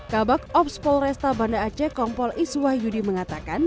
kabak ops polresta banda aceh kompol iswah yudi mengatakan